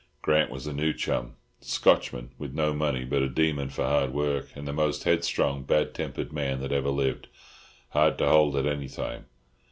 Grant was a new chum Scotchman with no money, but a demon for hard work, and the most headstrong, bad tempered man that ever lived—hard to hold at any time.